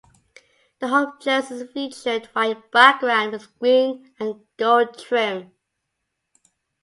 The home jerseys featured white background with green and gold trim.